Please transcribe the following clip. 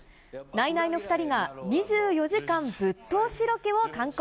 ナイナイの２人が２４時間ぶっ通しロケを敢行。